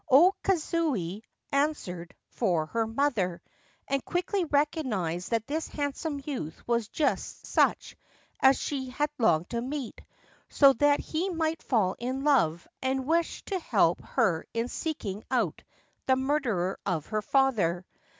O Kazuye answered for her mother, and quickly recognised that this handsome youth was just such as she had longed to meet, so that he might fall in love and wish to help her in seeking out the murderer of her father.